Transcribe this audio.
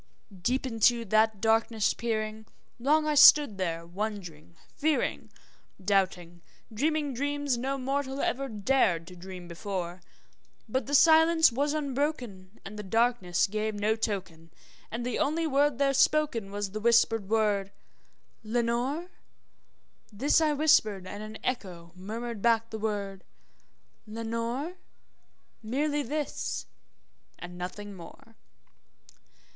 Deep into that darkness peering, long I stood there wondering, fearing, Doubting, dreaming dreams no mortal ever dared to dream before; But the silence was unbroken, and the darkness gave no token, And the only word there spoken was the whispered word, `Lenore!' This I whispered, and an echo murmured back the word, `Lenore!' Merely this and nothing more.